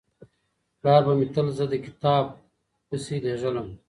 پلار به مې تل زه د کتاب پسې لېږلم.